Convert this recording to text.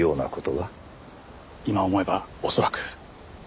今思えば恐らく。